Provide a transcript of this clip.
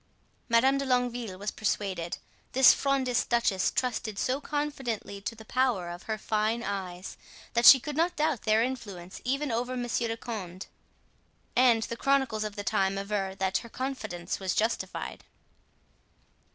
Madame de Longueville was persuaded. This Frondist duchess trusted so confidently to the power of her fine eyes, that she could not doubt their influence even over Monsieur de Condé; and the chronicles of the time aver that her confidence was justified.